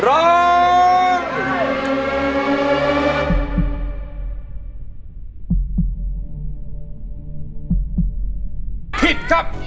ร้องผิด